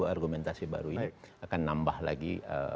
argumentasi baru ini akan nambah lagi